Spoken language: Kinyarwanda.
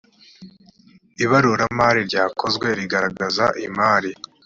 ibaruramari ryakozwe rigaragaza imari .